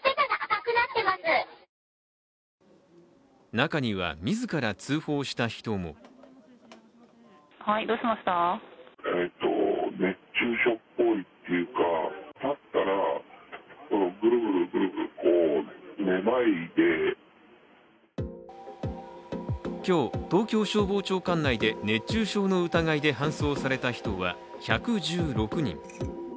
中には、自ら通報した人も今日、東京消防庁管内で熱中症の疑いで搬送された人は１１６人。